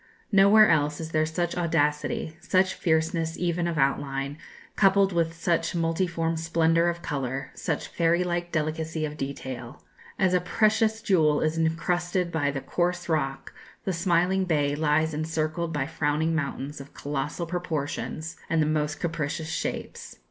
Nowhere else is there such audacity, such fierceness even of outline, coupled with such multiform splendour of colour, such fairy like delicacy of detail. As a precious jewel is encrusted by the coarse rock, the smiling bay lies encircled by frowning mountains of colossal proportions and the most capricious shapes.